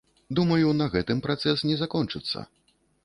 Думаю, на гэтым працэс не закончыцца.